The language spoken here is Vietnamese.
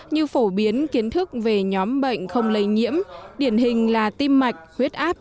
như phổ biến kiến thức về nhóm bệnh không lây nhiễm điển hình là tim mạch huyết áp